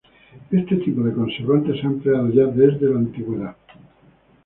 Este tipo de conservantes se ha empleado ya desde la antigüedad.